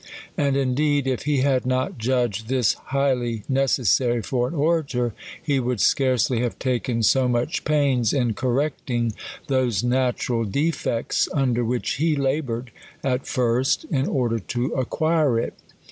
And, indeed, if he had not judged this highly neces sary for an orator, he would scarcely have taken so much pains in correcting those natural defects, under which he laboured at first, in order to acquire it.